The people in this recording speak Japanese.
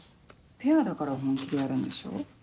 ペアだから本気でやるんでしょ。